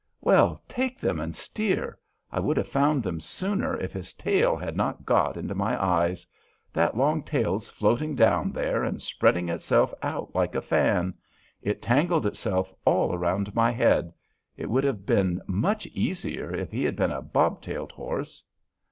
"Well, take them, and steer. I would have found them sooner if his tail had not got into my eyes. That long tail's floating down there and spreading itself out like a fan; it tangled itself all around my head. It would have been much easier if he had been a bob tailed horse."